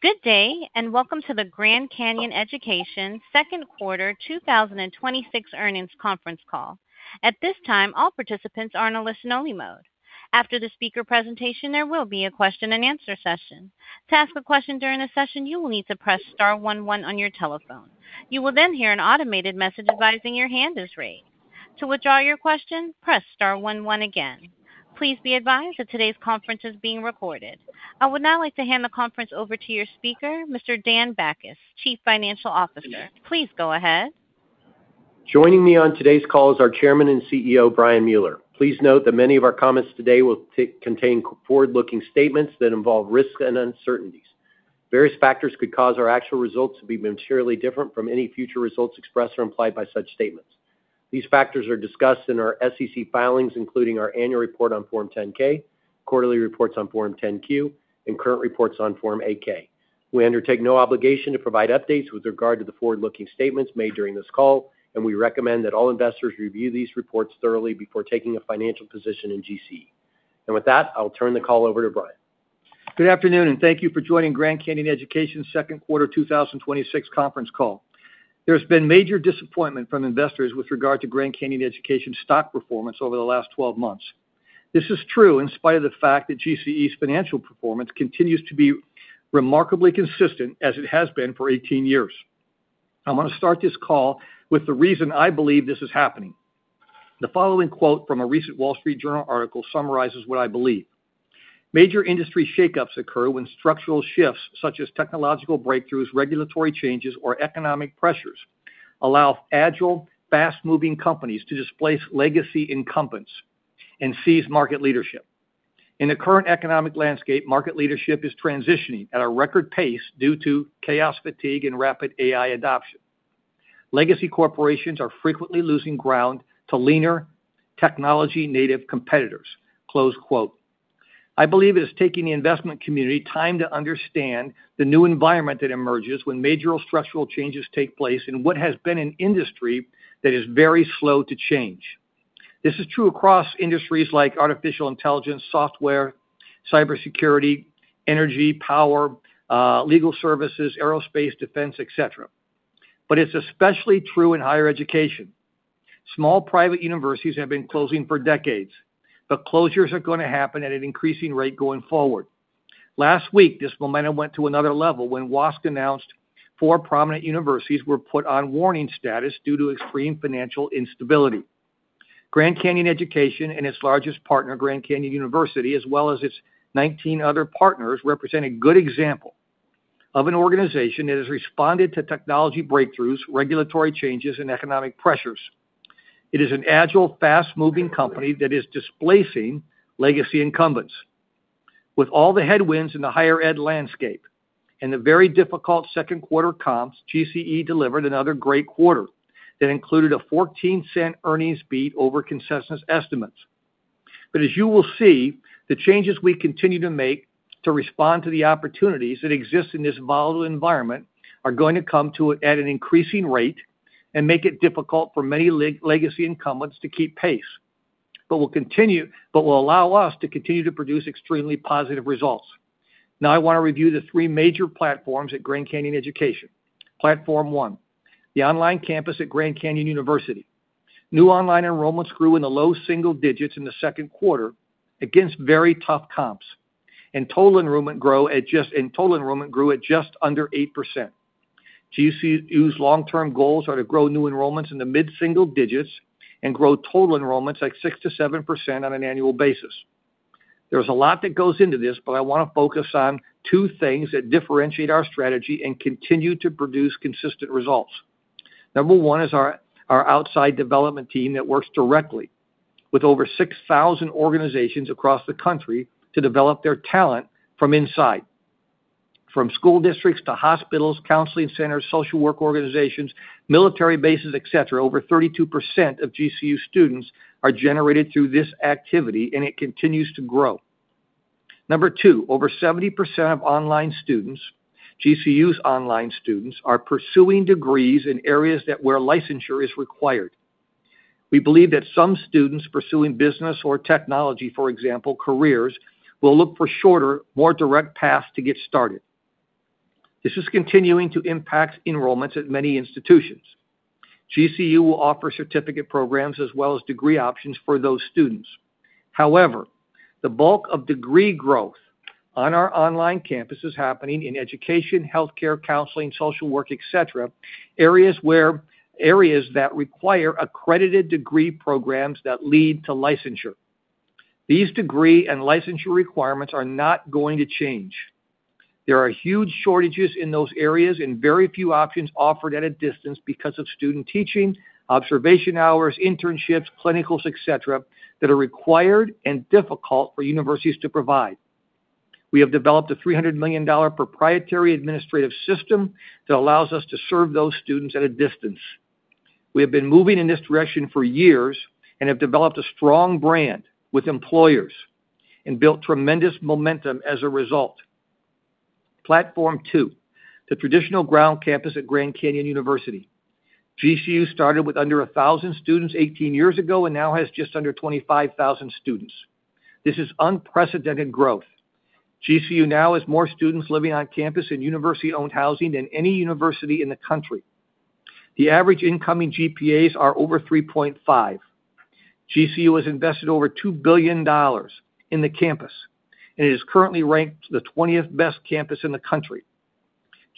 Good day, and welcome to the Grand Canyon Education second quarter 2026 earnings conference call. At this time, all participants are in a listen-only mode. After the speaker presentation, there will be a question and answer session. To ask a question during the session, you will need to press star one, one on your telephone. You will then hear an automated message advising your hand is raised. To withdraw your question, press star one, one again. Please be advised that today's conference is being recorded. I would now like to hand the conference over to your speaker, Mr. Dan Bachus, Chief Financial Officer. Please go ahead. Joining me on today's call is our Chairman and CEO, Brian Mueller. Please note that many of our comments today will contain forward-looking statements that involve risks and uncertainties. Various factors could cause our actual results to be materially different from any future results expressed or implied by such statements. These factors are discussed in our SEC filings, including our annual report on Form 10-K, quarterly reports on Form 10-Q, and current reports on Form 8-K. We undertake no obligation to provide updates with regard to the forward-looking statements made during this call, and we recommend that all investors review these reports thoroughly before taking a financial position in GCE. With that, I'll turn the call over to Brian. Good afternoon, and thank you for joining Grand Canyon Education's second quarter 2026 conference call. There's been major disappointment from investors with regard to Grand Canyon Education's stock performance over the last 12 months. This is true in spite of the fact that GCE's financial performance continues to be remarkably consistent as it has been for 18 years. I want to start this call with the reason I believe this is happening. The following quote from a recent The Wall Street Journal article summarizes what I believe. "Major industry shakeups occur when structural shifts such as technological breakthroughs, regulatory changes, or economic pressures allow agile, fast-moving companies to displace legacy incumbents and seize market leadership. In the current economic landscape, market leadership is transitioning at a record pace due to chaos, fatigue, and rapid AI adoption. Legacy corporations are frequently losing ground to leaner technology-native competitors." I believe it is taking the investment community time to understand the new environment that emerges when major structural changes take place in what has been an industry that is very slow to change. This is true across industries like artificial intelligence, software, cybersecurity, energy, power, legal services, aerospace, defense, et cetera. It's especially true in higher education. Small private universities have been closing for decades, but closures are going to happen at an increasing rate going forward. Last week, this momentum went to another level when WASC announced four prominent universities were put on warning status due to extreme financial instability. Grand Canyon Education and its largest partner, Grand Canyon University, as well as its 19 other partners, represent a good example of an organization that has responded to technology breakthroughs, regulatory changes, and economic pressures. It is an agile, fast-moving company that is displacing legacy incumbents. With all the headwinds in the higher ed landscape and the very difficult second quarter comps, GCE delivered another great quarter that included a $0.14 earnings beat over consensus estimates. As you will see, the changes we continue to make to respond to the opportunities that exist in this volatile environment are going to come to it at an increasing rate and make it difficult for many legacy incumbents to keep pace, but will allow us to continue to produce extremely positive results. Now I want to review the three major platforms at Grand Canyon Education. Platform one, the online campus at Grand Canyon University. New online enrollments grew in the low single digits in the second quarter against very tough comps, and total enrollment grew at just under 8%. GCU's long-term goals are to grow new enrollments in the mid-single digits and grow total enrollments at 6%-7% on an annual basis. There's a lot that goes into this, but I want to focus on two things that differentiate our strategy and continue to produce consistent results. Number one is our outside development team that works directly with over 6,000 organizations across the country to develop their talent from inside. From school districts to hospitals, counseling centers, social work organizations, military bases, et cetera, over 32% of GCU students are generated through this activity, and it continues to grow. Number two, over 70% of online students, GCU's online students, are pursuing degrees in areas that where licensure is required. We believe that some students pursuing business or technology, for example, careers, will look for shorter, more direct paths to get started. This is continuing to impact enrollments at many institutions. GCU will offer certificate programs as well as degree options for those students. However, the bulk of degree growth on our online campus is happening in education, healthcare, counseling, social work, et cetera, areas that require accredited degree programs that lead to licensure. These degree and licensure requirements are not going to change. There are huge shortages in those areas and very few options offered at a distance because of student teaching, observation hours, internships, clinicals, et cetera, that are required and difficult for universities to provide. We have developed a $300 million proprietary administrative system that allows us to serve those students at a distance. We have been moving in this direction for years and have developed a strong brand with employers and built tremendous momentum as a result. Platform two, the traditional ground campus at Grand Canyon University. GCU started with under 1,000 students 18 years ago and now has just under 25,000 students. This is unprecedented growth. GCU now has more students living on campus in university-owned housing than any university in the country. The average incoming GPAs are over 3.5. GCU has invested over $2 billion in the campus, and it is currently ranked the 20th best campus in the country.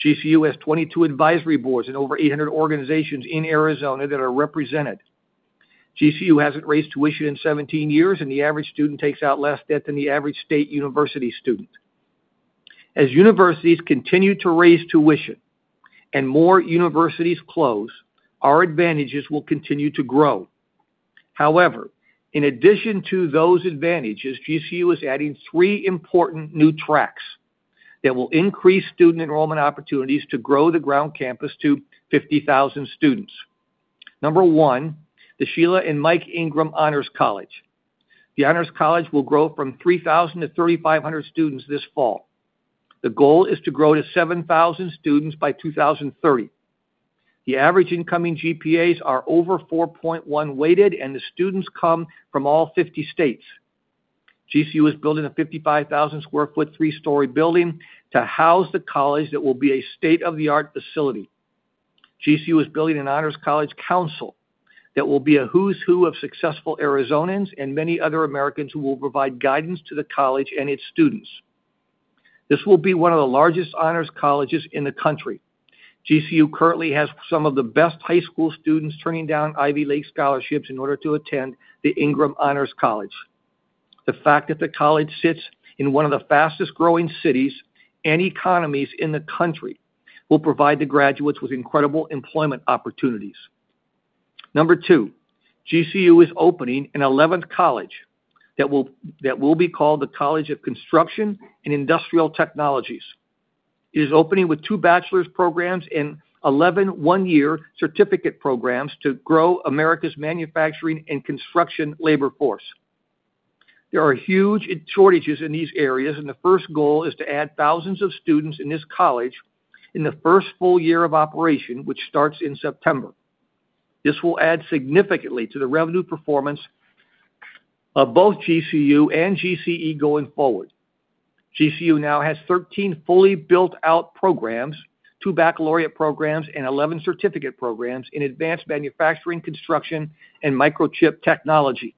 GCU has 22 advisory boards and over 800 organizations in Arizona that are represented. GCU hasn't raised tuition in 17 years, and the average student takes out less debt than the average state university student. As universities continue to raise tuition and more universities close, our advantages will continue to grow. However, in addition to those advantages, GCU is adding three important new tracks that will increase student enrollment opportunities to grow the ground campus to 50,000 students. Number one, the Sheila and Mike Ingram Honors College. The Honors College will grow from 3,000 to 3,500 students this fall. The goal is to grow to 7,000 students by 2030. The average incoming GPAs are over 4.1 weighted, and the students come from all 50 states. GCU is building a 55,000 sq ft three-story building to house the college that will be a state-of-the-art facility. GCU is building an Honors College Council that will be a who's who of successful Arizonans and many other Americans who will provide guidance to the college and its students. This will be one of the largest honors colleges in the country. GCU currently has some of the best high school students turning down Ivy League scholarships in order to attend the Ingram Honors College. The fact that the college sits in one of the fastest-growing cities and economies in the country will provide the graduates with incredible employment opportunities. Number two, GCU is opening an 11th college that will be called the College of Construction and Industrial Technologies. It is opening with two bachelor's programs and 11 one-year certificate programs to grow America's manufacturing and construction labor force. There are huge shortages in these areas, the first goal is to add thousands of students in this college in the first full year of operation, which starts in September. This will add significantly to the revenue performance of both GCU and GCE going forward. GCU now has 13 fully built-out programs, two baccalaureate programs, and 11 certificate programs in advanced manufacturing, construction, and microchip technology.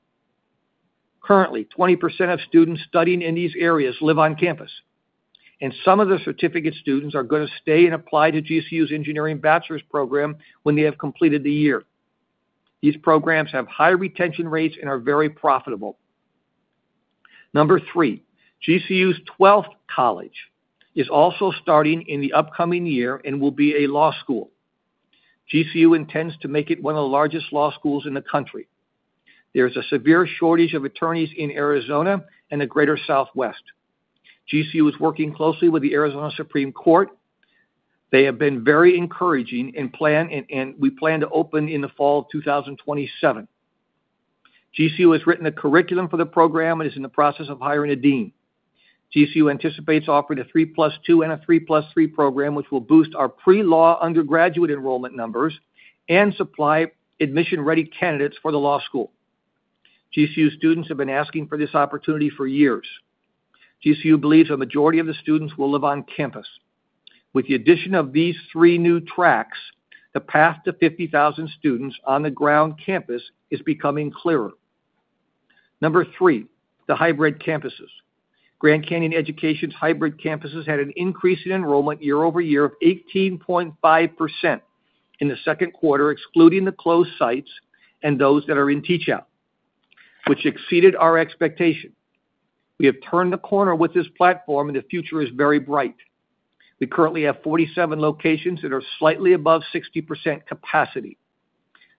Currently, 20% of students studying in these areas live on campus, and some of the certificate students are going to stay and apply to GCU's engineering bachelor's program when they have completed the year. These programs have high retention rates and are very profitable. Number three, GCU's 12th college is also starting in the upcoming year and will be a law school. GCU intends to make it one of the largest law schools in the country. There's a severe shortage of attorneys in Arizona and the Greater Southwest. GCU is working closely with the Arizona Supreme Court. They have been very encouraging, and we plan to open in the fall of 2027. GCU has written a curriculum for the program and is in the process of hiring a dean. GCU anticipates offering a 3 plus 2 and a 3 plus 3 program, which will boost our pre-law undergraduate enrollment numbers and supply admission-ready candidates for the law school. GCU students have been asking for this opportunity for years. GCU believes a majority of the students will live on campus. With the addition of these three new tracks, the path to 50,000 students on the ground campus is becoming clearer. Number three, the hybrid campuses. Grand Canyon Education's hybrid campuses had an increase in enrollment year-over-year of 18.5% in the second quarter, excluding the closed sites and those that are in teach out, which exceeded our expectation. We have turned the corner with this platform, the future is very bright. We currently have 47 locations that are slightly above 60% capacity.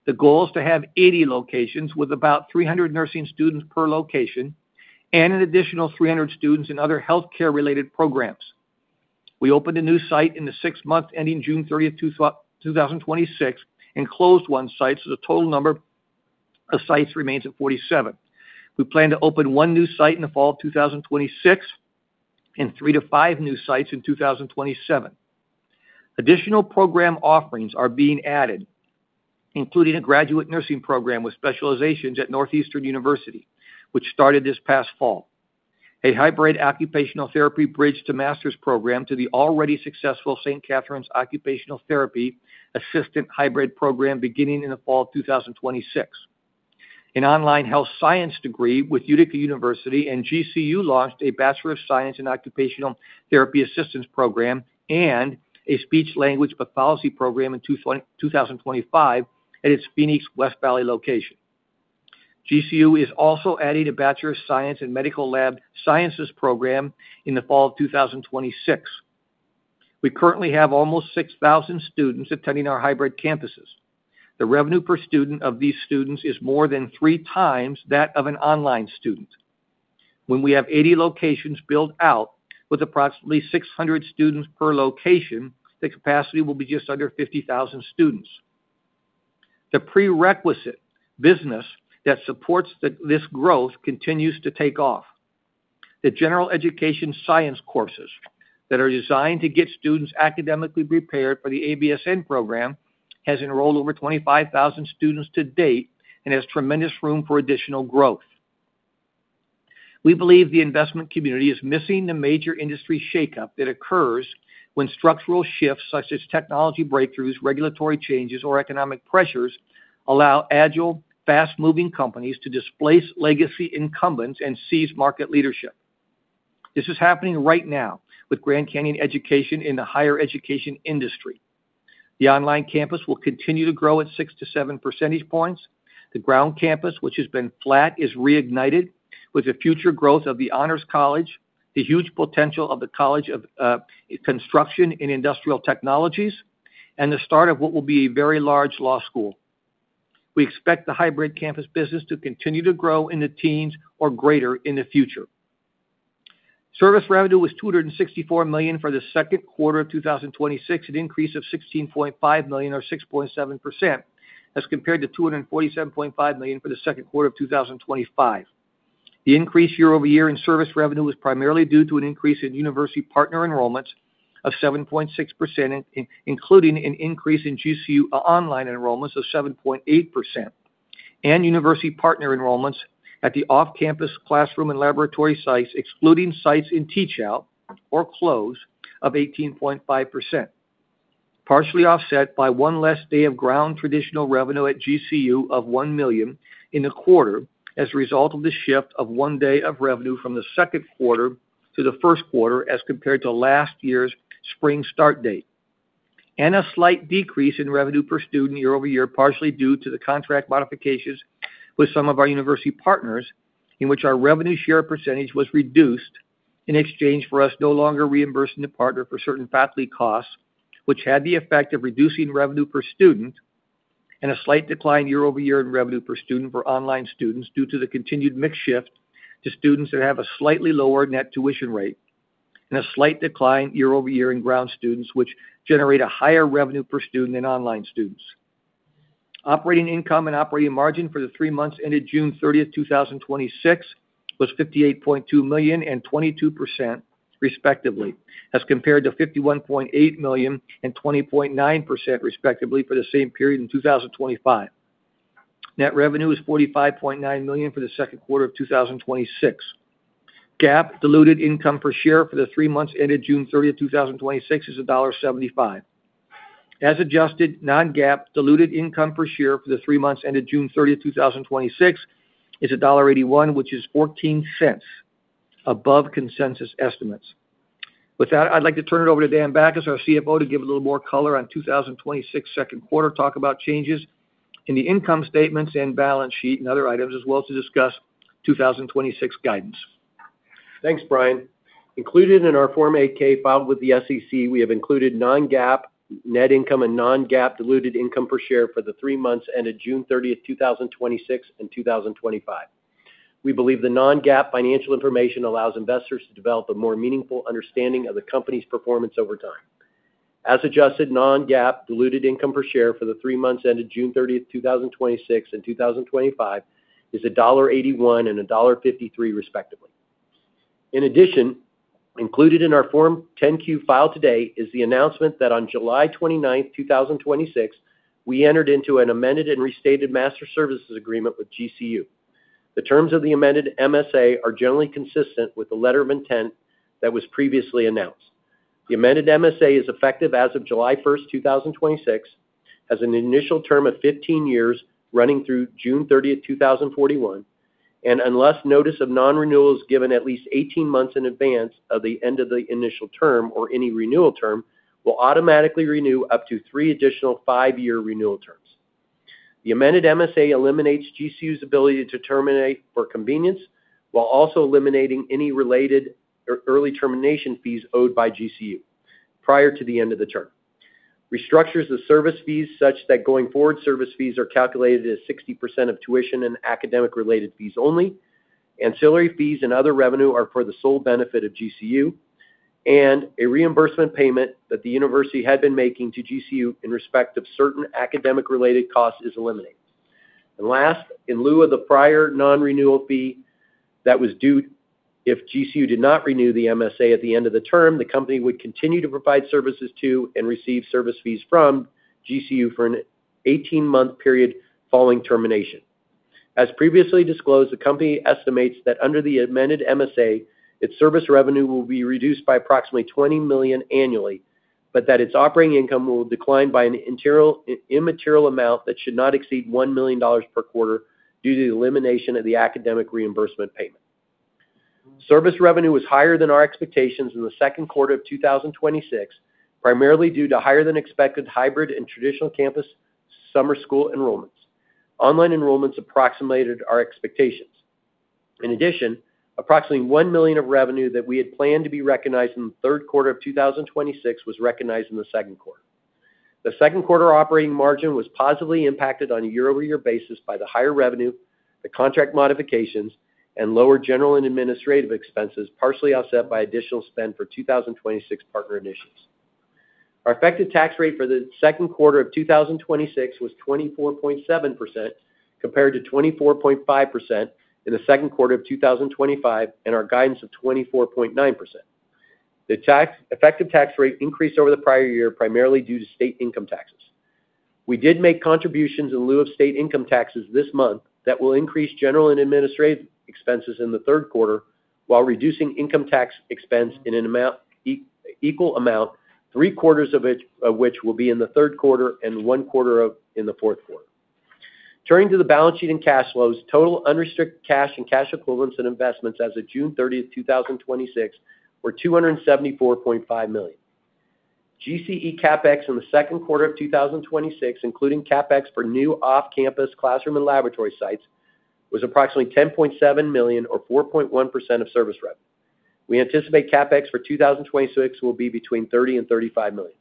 The goal is to have 80 locations with about 300 nursing students per location and an additional 300 students in other healthcare-related programs. We opened a new site in the six months ending June 30th, 2026, and closed one site, so the total number of sites remains at 47. We plan to open one new site in the fall of 2026 and three to five new sites in 2027. Additional program offerings are being added, including a graduate nursing program with specializations at Northeastern University, which started this past fall. A hybrid occupational therapy bridge to master's program to the already successful St. Catherine's Occupational Therapy, a system hybrid program beginning in the fall of 2026. An online health science degree with Utica University and GCU launched a Bachelor of Science in Occupational Therapy Assistant program and a speech-language pathology program in 2025 at its Phoenix West Valley location. GCU is also adding a Bachelor of Science in Medical Laboratory Science program in the fall of 2026. We currently have almost 6,000 students attending our hybrid campuses. The revenue per student of these students is more than three times that of an online student. When we have 80 locations built out with approximately 600 students per location, the capacity will be just under 50,000 students. The prerequisite business that supports this growth continues to take off. The general education science courses that are designed to get students academically prepared for the ABSN program has enrolled over 25,000 students to date and has tremendous room for additional growth. We believe the investment community is missing the major industry shakeup that occurs when structural shifts such as technology breakthroughs, regulatory changes, or economic pressures allow agile, fast-moving companies to displace legacy incumbents and seize market leadership. This is happening right now with Grand Canyon Education in the higher education industry. The online campus will continue to grow at 6 to 7 percentage points. The ground campus, which has been flat, is reignited with the future growth of the Honors College, the huge potential of the College of Construction and Industrial Technologies, and the start of what will be a very large law school. We expect the hybrid campus business to continue to grow in the teens or greater in the future. Service revenue was $264 million for the second quarter of 2026, an increase of $16.5 million or 6.7%, as compared to $247.5 million for the second quarter of 2025. The increase year-over-year in service revenue was primarily due to an increase in university partner enrollments of 7.6%, including an increase in GCU online enrollments of 7.8%, and university partner enrollments at the off-campus classroom and laboratory sites, excluding sites in teach out or close of 18.5%. Partially offset by one less day of ground traditional revenue at GCU of $1 million in the quarter as a result of the shift of one day of revenue from the second quarter to the first quarter as compared to last year's spring start date. A slight decrease in revenue per student year-over-year, partially due to the contract modifications with some of our university partners, in which our revenue share percentage was reduced in exchange for us no longer reimbursing the partner for certain faculty costs, which had the effect of reducing revenue per student, and a slight decline year-over-year in revenue per student for online students due to the continued mix shift to students that have a slightly lower net tuition rate, and a slight decline year-over-year in ground students, which generate a higher revenue per student than online students. Operating income and operating margin for the three months ended June 30th, 2026 was $58.2 million and 22%, respectively, as compared to $51.8 million and 20.9%, respectively, for the same period in 2025. Net revenue was $45.9 million for the second quarter of 2026. GAAP diluted income per share for the three months ended June 30th, 2026 is $1.75. As adjusted, non-GAAP diluted income per share for the three months ended June 30th, 2026 is $1.81, which is $0.14 above consensus estimates. With that, I'd like to turn it over to Dan Bachus, our CFO, to give a little more color on 2026 second quarter, talk about changes in the income statements and balance sheet and other items, as well as to discuss 2026 guidance. Thanks, Brian. Included in our Form 8-K filed with the SEC, we have included non-GAAP net income and non-GAAP diluted income per share for the three months ended June 30th, 2026 and 2025. We believe the non-GAAP financial information allows investors to develop a more meaningful understanding of the company's performance over time. As adjusted, non-GAAP diluted income per share for the three months ended June 30th, 2026 and 2025 is $1.81 and $1.53, respectively. In addition, included in our Form 10-Q filed today is the announcement that on July 29th, 2026, we entered into an amended and restated master services agreement with GCU. The terms of the amended MSA are generally consistent with the letter of intent that was previously announced. The amended MSA is effective as of July 1st, 2026, has an initial term of 15 years running through June 30th, 2041, and unless notice of non-renewal is given at least 18 months in advance of the end of the initial term or any renewal term, will automatically renew up to three additional five-year renewal terms. The amended MSA eliminates GCU's ability to terminate for convenience while also eliminating any related early termination fees owed by GCU prior to the end of the term. Restructures the service fees such that going forward service fees are calculated as 60% of tuition and academic-related fees only. Ancillary fees and other revenue are for the sole benefit of GCU, and a reimbursement payment that the university had been making to GCU in respect of certain academic-related costs is eliminated. Last, in lieu of the prior non-renewal fee that was due if GCU did not renew the MSA at the end of the term, the company would continue to provide services to and receive service fees from GCU for an 18-month period following termination. As previously disclosed, the company estimates that under the amended MSA, its service revenue will be reduced by approximately $20 million annually, but that its operating income will decline by an immaterial amount that should not exceed $1 million per quarter due to the elimination of the academic reimbursement payment. Service revenue was higher than our expectations in the second quarter of 2026, primarily due to higher-than-expected hybrid and traditional campus summer school enrollments. Online enrollments approximated our expectations. In addition, approximately $1 million of revenue that we had planned to be recognized in the third quarter of 2026 was recognized in the second quarter. The second quarter operating margin was positively impacted on a year-over-year basis by the higher revenue, the contract modifications, and lower general and administrative expenses, partially offset by additional spend for 2026 partner initiatives. Our effective tax rate for the second quarter of 2026 was 24.7%, compared to 24.5% in the second quarter of 2025, and our guidance of 24.9%. The effective tax rate increased over the prior year, primarily due to state income taxes. We did make contributions in lieu of state income taxes this month that will increase general and administrative expenses in the third quarter while reducing income tax expense in an equal amount, three-quarters of which will be in the third quarter and one-quarter in the fourth quarter. Turning to the balance sheet and cash flows, total unrestricted cash and cash equivalents and investments as of June 30th, 2026, were $274.5 million. GCE CapEx in the second quarter of 2026, including CapEx for new off-campus classroom and laboratory sites, was approximately $10.7 million, or 4.1% of service revenue. We anticipate CapEx for 2026 will be between $30 million and $35 million.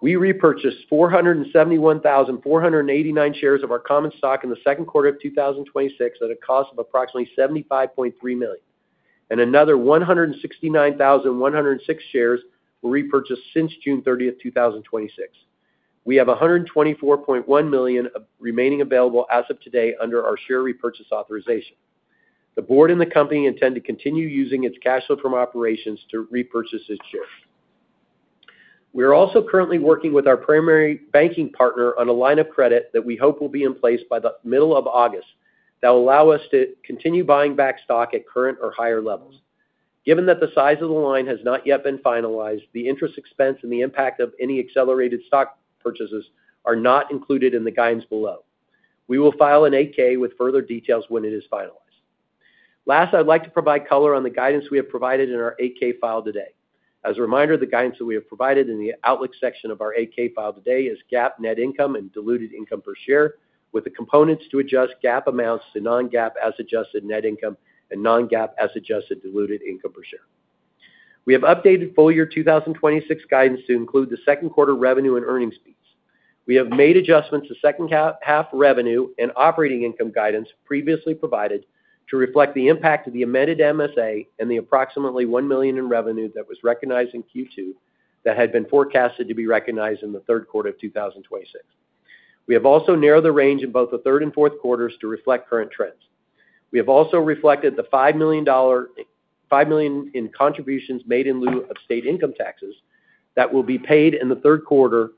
We repurchased 471,489 shares of our common stock in the second quarter of 2026 at a cost of approximately $75.3 million, and another 169,106 shares were repurchased since June 30th, 2026. We have $124.1 million remaining available as of today under our share repurchase authorization. The board and the company intend to continue using its cash flow from operations to repurchase its shares. We are also currently working with our primary banking partner on a line of credit that we hope will be in place by the middle of August that will allow us to continue buying back stock at current or higher levels. Given that the size of the line has not yet been finalized, the interest expense and the impact of any accelerated stock purchases are not included in the guidance below. We will file an 8-K with further details when it is finalized. Last, I'd like to provide color on the guidance we have provided in our 8-K file today. As a reminder, the guidance that we have provided in the outlook section of our 8-K file today is GAAP net income and diluted income per share, with the components to adjust GAAP amounts to non-GAAP as-adjusted net income and non-GAAP as-adjusted diluted income per share. We have updated full-year 2026 guidance to include the second quarter revenue and earnings fees. We have made adjustments to second-half revenue and operating income guidance previously provided to reflect the impact of the amended MSA and the approximately $1 million in revenue that was recognized in Q2 that had been forecasted to be recognized in the third quarter of 2026. We have also narrowed the range in both the third and fourth quarters to reflect current trends. We have also reflected the $5 million in contributions made in lieu of state income taxes that will be paid in the third quarter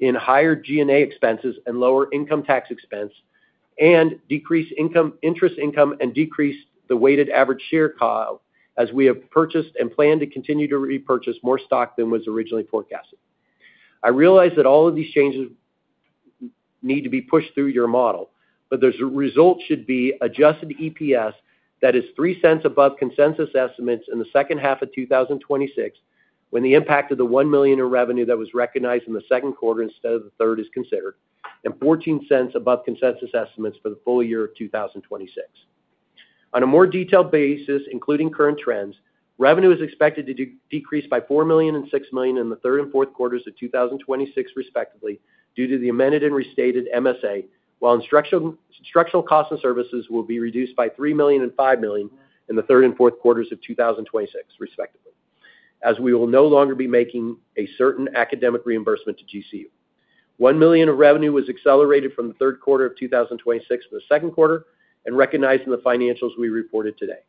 in higher G&A expenses and lower income tax expense, and decreased interest income and decreased the weighted average share [count] as we have purchased and plan to continue to repurchase more stock than was originally forecasted. I realize that all of these changes need to be pushed through your model, but the result should be adjusted EPS that is $0.03 above consensus estimates in the second half of 2026, when the impact of the $1 million in revenue that was recognized in the second quarter instead of the third is considered, and $0.14 above consensus estimates for the full year of 2026. On a more detailed basis, including current trends, revenue is expected to decrease by $4 million and $6 million in the third and fourth quarters of 2026, respectively, due to the amended and restated MSA, while [structural] cost and services will be reduced by $3 million and $5 million in the third and fourth quarters of 2026, respectively, as we will no longer be making a certain academic reimbursement to GCU. $1 million of revenue was accelerated from the third quarter of 2026 to the second quarter and recognized in the financials we reported today.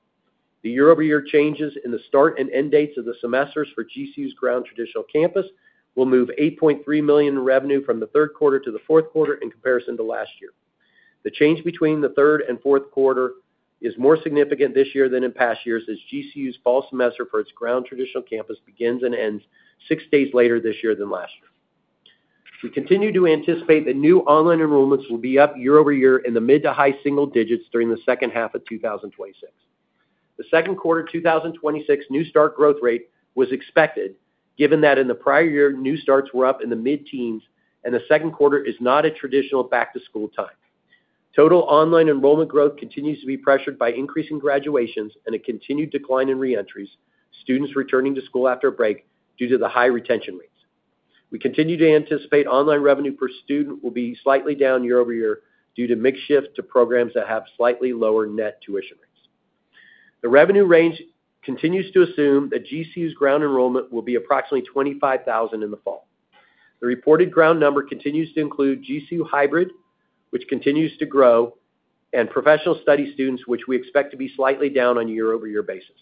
The year-over-year changes in the start and end dates of the semesters for GCU's ground traditional campus will move $8.3 million in revenue from the third quarter to the fourth quarter in comparison to last year. The change between the third and fourth quarter is more significant this year than in past years, as GCU's fall semester for its ground traditional campus begins and ends six days later this year than last year. We continue to anticipate that new online enrollments will be up year-over-year in the mid to high single digits during the second half of 2026. The second quarter 2026 new start growth rate was expected, given that in the prior year, new starts were up in the mid-teens and the second quarter is not a traditional back-to-school time. Total online enrollment growth continues to be pressured by increasing graduations and a continued decline in reentries, students returning to school after a break due to the high retention rates. We continue to anticipate online revenue per student will be slightly down year-over-year due to mix shift to programs that have slightly lower net tuition rates. The revenue range continues to assume that GCU's ground enrollment will be approximately 25,000 in the fall. The reported ground number continues to include GCU hybrid, which continues to grow, and professional studies students, which we expect to be slightly down on a year-over-year basis.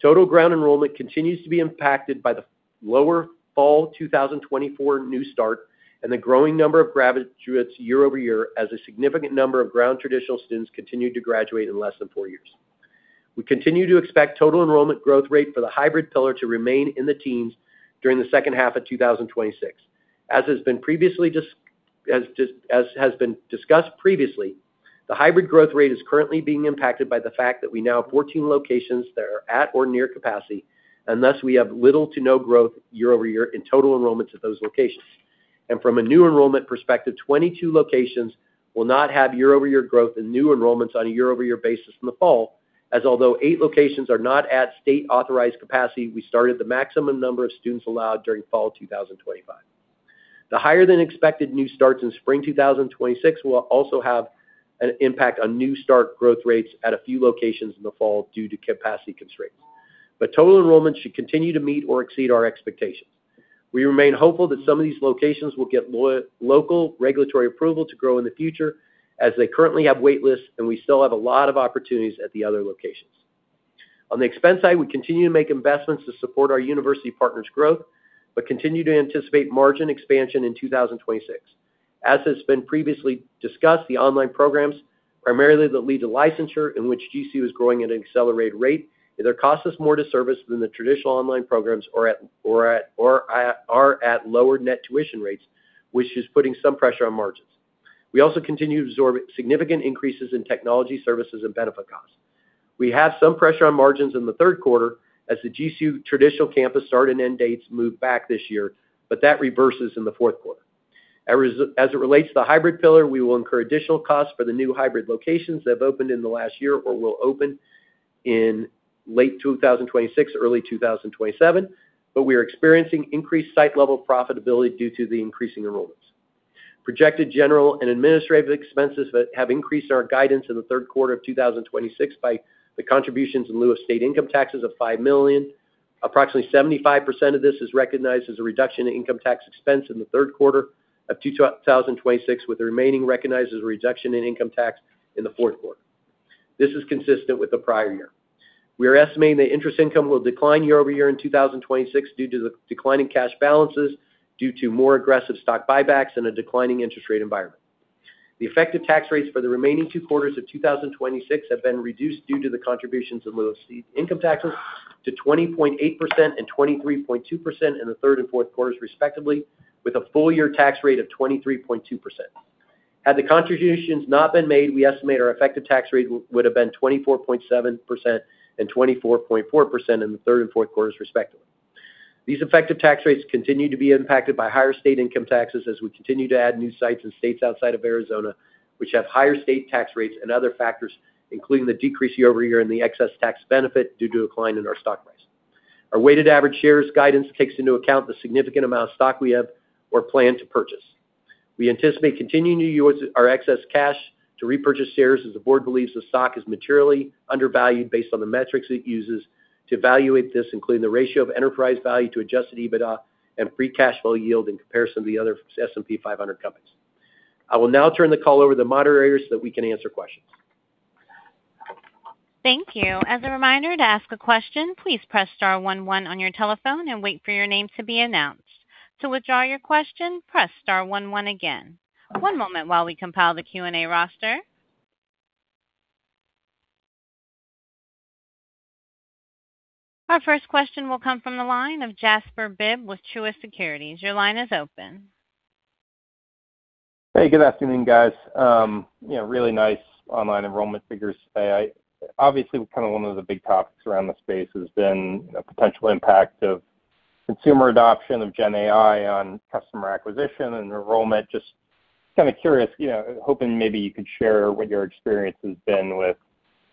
Total ground enrollment continues to be impacted by the lower fall 2024 new start and the growing number of graduates year-over-year as a significant number of ground traditional students continued to graduate in less than four years. We continue to expect total enrollment growth rate for the hybrid pillar to remain in the teens during the second half of 2026. As has been discussed previously, the hybrid growth rate is currently being impacted by the fact that we now have 14 locations that are at or near capacity, and thus we have little to no growth year-over-year in total enrollments at those locations. From a new enrollment perspective, 22 locations will not have year-over-year growth in new enrollments on a year-over-year basis in the fall, as although eight locations are not at state-authorized capacity, we started the maximum number of students allowed during fall 2025. The higher than expected new starts in spring 2026 will also have an impact on new start growth rates at a few locations in the fall due to capacity constraints. Total enrollment should continue to meet or exceed our expectations. We remain hopeful that some of these locations will get local regulatory approval to grow in the future, as they currently have wait lists, and we still have a lot of opportunities at the other locations. On the expense side, we continue to make investments to support our university partners' growth, but continue to anticipate margin expansion in 2026. As has been previously discussed, the online programs, primarily that lead to licensure in which GCU is growing at an accelerated rate, either cost us more to service than the traditional online programs or are at lower net tuition rates, which is putting some pressure on margins. We also continue to absorb significant increases in technology services and benefit costs. We have some pressure on margins in the third quarter as the GCU traditional campus start and end dates move back this year, but that reverses in the fourth quarter. As it relates to the hybrid pillar, we will incur additional costs for the new hybrid locations that have opened in the last year or will open in late 2026, early 2027, but we are experiencing increased site-level profitability due to the increasing enrollments. Projected general and administrative expenses that have increased our guidance in the third quarter of 2026 by the contributions in lieu of state income taxes of $5 million. Approximately 75% of this is recognized as a reduction in income tax expense in the third quarter of 2026, with the remaining recognized as a reduction in income tax in the fourth quarter. This is consistent with the prior year. We are estimating the interest income will decline year-over-year in 2026 due to the declining cash balances due to more aggressive stock buybacks and a declining interest rate environment. The effective tax rates for the remaining two quarters of 2026 have been reduced due to the contributions in lieu of state income taxes to 20.8% and 23.2% in the third and fourth quarters respectively, with a full-year tax rate of 23.2%. Had the contributions not been made, we estimate our effective tax rate would have been 24.7% and 24.4% in the third and fourth quarters respectively. These effective tax rates continue to be impacted by higher state income taxes as we continue to add new sites in states outside of Arizona, which have higher state tax rates and other factors, including the decrease year-over-year in the excess tax benefit due to a decline in our stock price. Our weighted average shares guidance takes into account the significant amount of stock we have or plan to purchase. We anticipate continuing to use our excess cash to repurchase shares, as the board believes the stock is materially undervalued based on the metrics it uses to evaluate this, including the ratio of enterprise value to adjusted EBITDA and free cash flow yield in comparison to the other S&P 500 companies. I will now turn the call over to the moderator so that we can answer questions. Thank you. As a reminder to ask a question, please press star one, one on your telephone and wait for your name to be announced. To withdraw your question, press star one, one again. One moment while we compile the Q&A roster. Our first question will come from the line of Jasper Bibb with Truist Securities. Your line is open. Hey, good afternoon, guys. Really nice online enrollment figures today. Obviously, one of the big topics around the space has been the potential impact of consumer adoption of Gen AI on customer acquisition and enrollment. Just curious, hoping maybe you could share what your experience has been with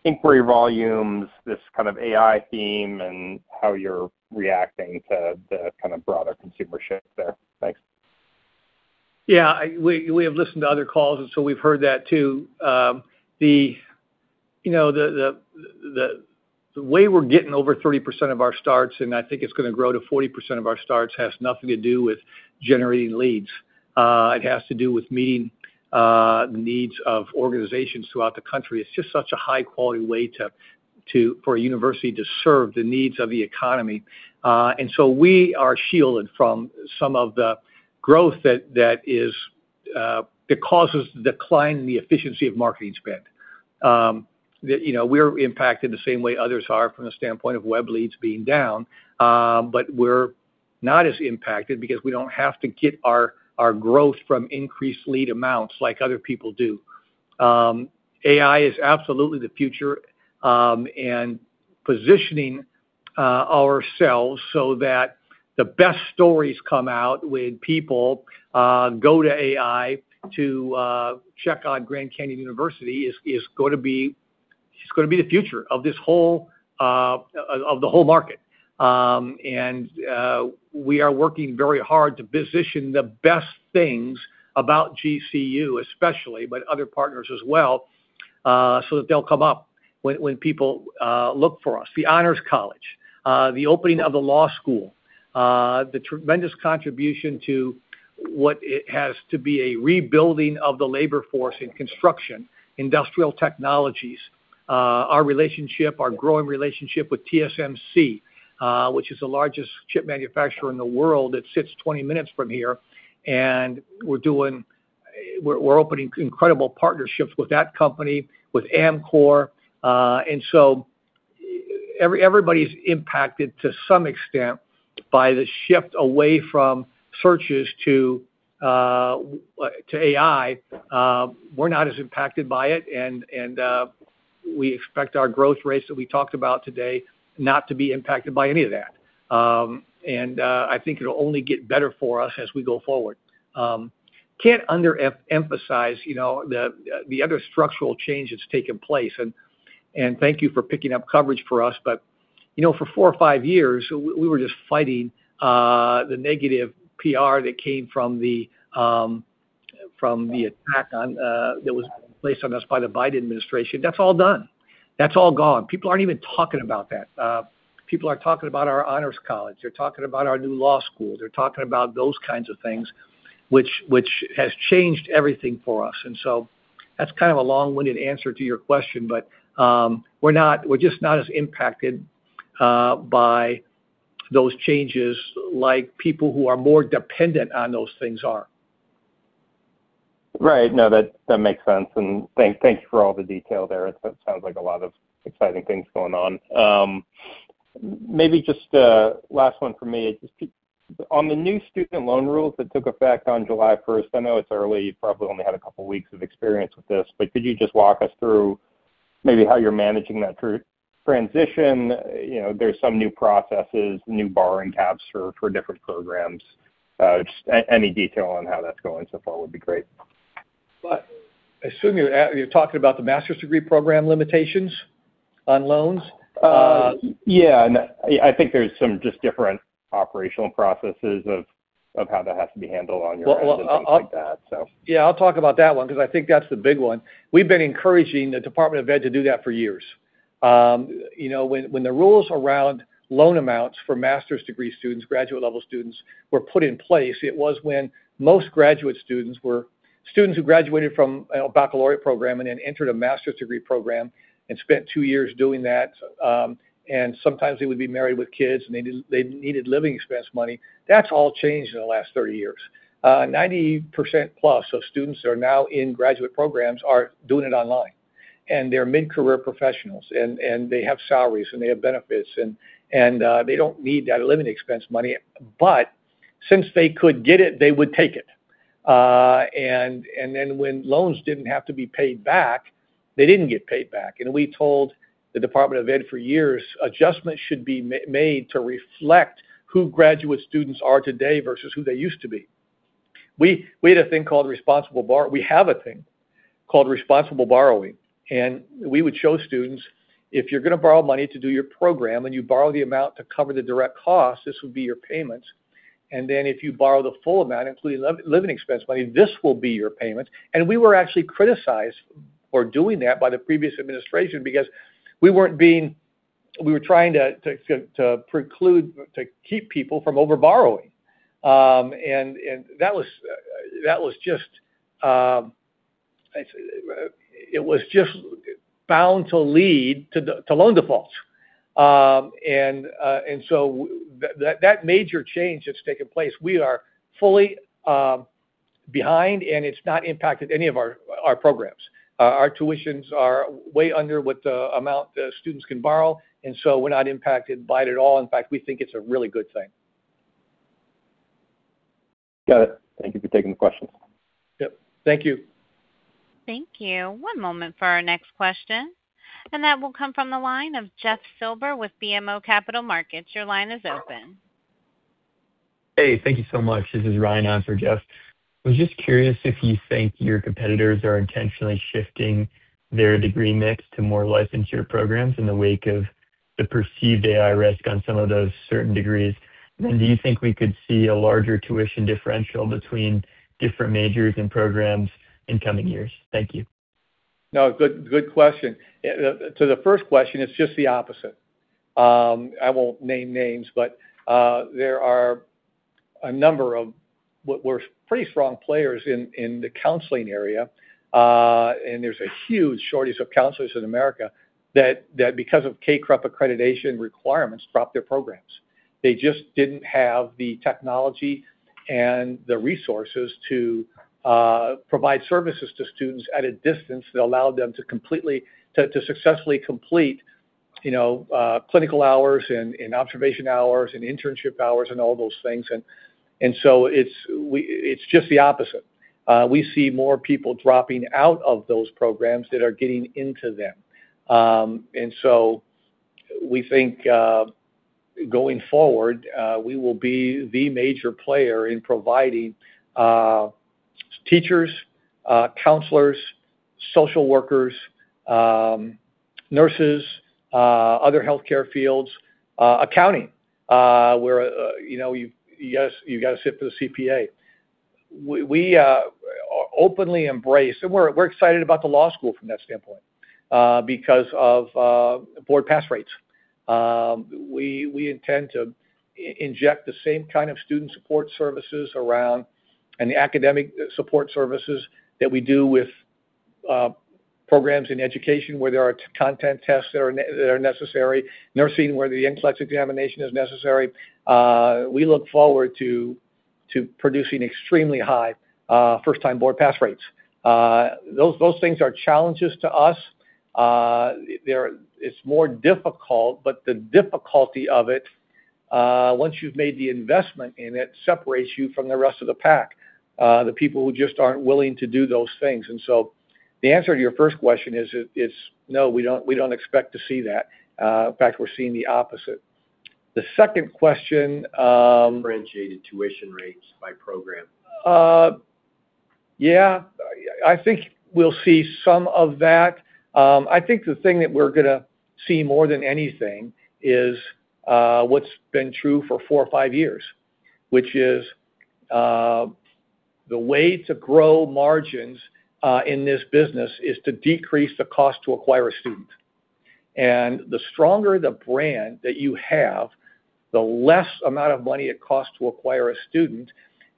inquiry volumes, this AI theme, and how you're reacting to the broader consumer shift there. Thanks. Yeah. We have listened to other calls. We've heard that too. The way we're getting over 30% of our starts, and I think it's going to grow to 40% of our starts, has nothing to do with generating leads. It has to do with meeting needs of organizations throughout the country. It's just such a high-quality way for a university to serve the needs of the economy. We are shielded from some of the growth that causes the decline in the efficiency of marketing spend. We're impacted the same way others are from the standpoint of web leads being down, but we're not as impacted because we don't have to get our growth from increased lead amounts like other people do. AI is absolutely the future. Positioning ourselves so that the best stories come out when people go to AI to check on Grand Canyon University is going to be the future of the whole market. We are working very hard to position the best things about GCU, especially, but other partners as well, so that they'll come up when people look for us. The Honors College, the opening of the law school, the tremendous contribution to what it has to be a rebuilding of the labor force in construction, industrial technologies, our growing relationship with TSMC, which is the largest chip manufacturer in the world that sits 20 minutes from here, and we're opening incredible partnerships with that company, with Amcor. Everybody's impacted to some extent by the shift away from searches to AI. We're not as impacted by it, and we expect our growth rates that we talked about today not to be impacted by any of that. I think it'll only get better for us as we go forward. Can't under-emphasize the other structural change that's taken place. Thank you for picking up coverage for us. For four or five years, we were just fighting the negative PR that came from the attack that was placed on us by the Biden administration. That's all done. That's all gone. People aren't even talking about that. People are talking about our Honors College, they're talking about our new law school, they're talking about those kinds of things, which has changed everything for us. That's kind of a long-winded answer to your question, but we're just not as impacted by those changes like people who are more dependent on those things are. Right. No, that makes sense, and thank you for all the detail there. It sounds like a lot of exciting things going on. Maybe just a last one from me. On the new student loan rules that took effect on July 1st, I know it's early, you've probably only had a couple weeks of experience with this, but could you just walk us through maybe how you're managing that transition? There's some new processes, new borrowing caps for different programs. Just any detail on how that's going so far would be great. I assume you're talking about the master's degree program limitations on loans? Yeah. I think there's some just different operational processes of how that has to be handled on your end and things like that. Yeah, I'll talk about that one because I think that's the big one. We've been encouraging the Department of Ed to do that for years. When the rules around loan amounts for master's degree students, graduate level students, were put in place, it was when most graduate students were students who graduated from a baccalaureate program and then entered a master's degree program and spent two years doing that. Sometimes they would be married with kids, and they needed living expense money. That's all changed in the last 30 years. 90% plus of students that are now in graduate programs are doing it online, and they're mid-career professionals, and they have salaries, and they have benefits, and they don't need that living expense money, but since they could get it, they would take it. When loans didn't have to be paid back, they didn't get paid back. We told the Department of Ed for years, adjustments should be made to reflect who graduate students are today versus who they used to be. We have a thing called Responsible Borrowing, and we would show students, "If you're going to borrow money to do your program, and you borrow the amount to cover the direct cost, this would be your payments. If you borrow the full amount, including living expense money, this will be your payments." We were actually criticized for doing that by the previous administration because we were trying to keep people from over-borrowing, and that was just bound to lead to loan defaults. That major change that's taken place, we are fully behind, and it's not impacted any of our programs. Our tuitions are way under what the amount the students can borrow, we're not impacted by it at all. In fact, we think it's a really good thing. Got it. Thank you for taking the questions. Yep. Thank you. Thank you. One moment for our next question. That will come from the line of Jeff Silber with BMO Capital Markets. Your line is open. Hey, thank you so much. This is Ryan on for Jeff. I was just curious if you think your competitors are intentionally shifting their degree mix to more licensure programs in the wake of the perceived AI risk on some of those certain degrees. Do you think we could see a larger tuition differential between different majors and programs in coming years? Thank you. No, good question. To the first question, it's just the opposite. I won't name names, but there are a number of what were pretty strong players in the counseling area, and there's a huge shortage of counselors in America, that because of CACREP accreditation requirements, dropped their programs. They just didn't have the technology and the resources to provide services to students at a distance that allowed them to successfully complete clinical hours and observation hours and internship hours and all those things. It's just the opposite. We see more people dropping out of those programs than are getting into them. We think going forward, we will be the major player in providing teachers, counselors, social workers, nurses, other healthcare fields, accounting, where you've got to sit for the CPA. We openly embrace, and we're excited about the law school from that standpoint because of board pass rates. We intend to inject the same kind of student support services around, and the academic support services, that we do with programs in education where there are content tests that are necessary, nursing where the NCLEX examination is necessary. We look forward to producing extremely high first-time board pass rates. Those things are challenges to us. It's more difficult, but the difficulty of it, once you've made the investment in it, separates you from the rest of the pack, the people who just aren't willing to do those things. The answer to your first question is no, we don't expect to see that. In fact, we're seeing the opposite. The second question. Differentiated tuition rates by program Yeah. I think we'll see some of that. I think the thing that we're going to see more than anything is what's been true for four or five years, which is the way to grow margins in this business is to decrease the cost to acquire a student. The stronger the brand that you have, the less amount of money it costs to acquire a student,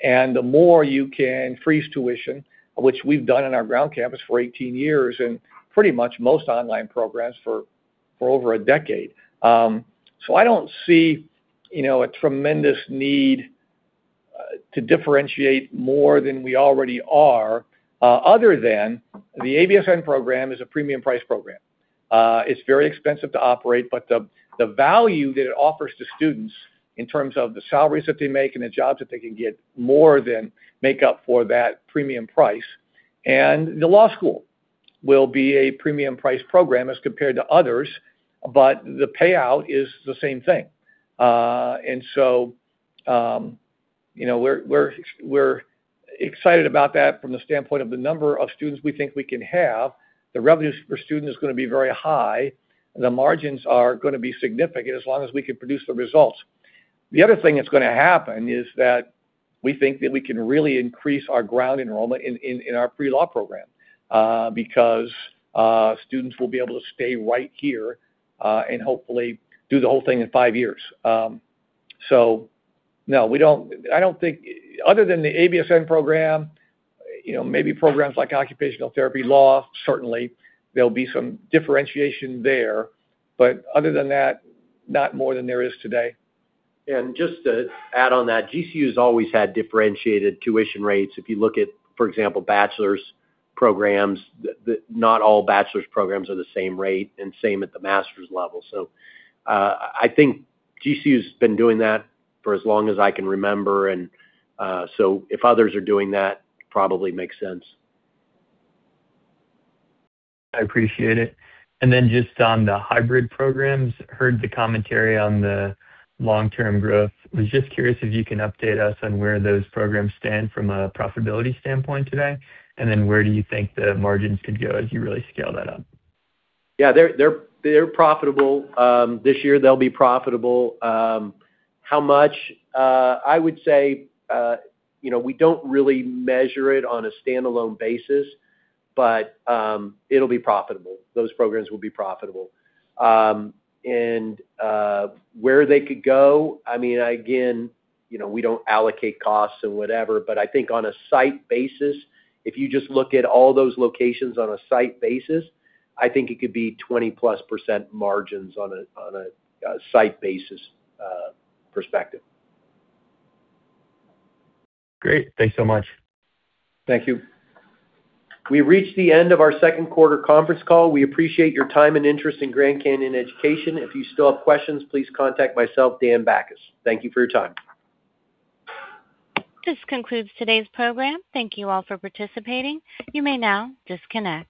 and the more you can freeze tuition, which we've done on our ground campus for 18 years, and pretty much most online programs for over a decade. I don't see a tremendous need to differentiate more than we already are other than the ABSN program is a premium price program. It's very expensive to operate, but the value that it offers to students in terms of the salaries that they make and the jobs that they can get more than make up for that premium price. The law school will be a premium price program as compared to others, but the payout is the same thing. We're excited about that from the standpoint of the number of students we think we can have. The revenue per student is going to be very high. The margins are going to be significant as long as we can produce the results. The other thing that's going to happen is that we think that we can really increase our ground enrollment in our pre-law program, because students will be able to stay right here, and hopefully do the whole thing in five years. No, other than the ABSN program, maybe programs like occupational therapy, law, certainly, there'll be some differentiation there, but other than that, not more than there is today. Just to add on that, GCU has always had differentiated tuition rates. If you look at, for example, bachelor's programs, not all bachelor's programs are the same rate, and same at the master's level. I think GCU's been doing that for as long as I can remember. If others are doing that, probably makes sense. I appreciate it. Just on the hybrid programs, heard the commentary on the long-term growth. Was just curious if you can update us on where those programs stand from a profitability standpoint today, and then where do you think the margins could go as you really scale that up? Yeah, they're profitable. This year, they'll be profitable. How much? I would say, we don't really measure it on a standalone basis, but it'll be profitable. Those programs will be profitable. Where they could go, again, we don't allocate costs or whatever, but I think on a site basis, if you just look at all those locations on a site basis, I think it could be 20% margins on a site basis perspective. Great. Thanks so much. Thank you. We reached the end of our second quarter conference call. We appreciate your time and interest in Grand Canyon Education. If you still have questions, please contact myself, Dan Bachus. Thank you for your time. This concludes today's program. Thank you all for participating. You may now disconnect.